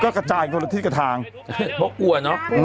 เป็นการกระตุ้นการไหลเวียนของเลือด